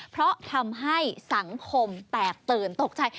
เพราะทำให้สังคมแตกตื่นตกใจ